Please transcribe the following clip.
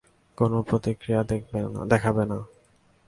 কোনও প্রতিক্রিয়া দেখাবে না।